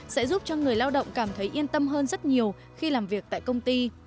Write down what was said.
sẽ giúp cho người lao động cảm thấy yên tâm hơn rất nhiều khi làm việc tại công ty